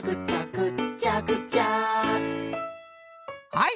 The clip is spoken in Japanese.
はい！